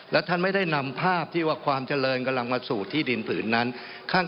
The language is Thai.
และท่านไม่ได้นำภาพที่ว่าความเจริญกำลังมาสู่ที่ดินผืนนั้น